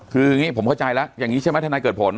คืออย่างนี้ผมเข้าใจแล้วอย่างนี้ใช่ไหมทนายเกิดผล